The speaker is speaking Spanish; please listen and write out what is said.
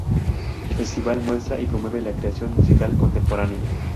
El festival muestra y promueve la creación musical contemporánea.